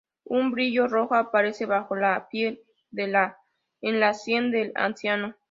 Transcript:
Un brillo rojo aparece bajo la piel en la sien del anciano.